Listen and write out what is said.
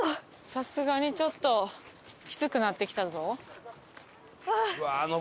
さすがにちょっときつくなってきたぞ。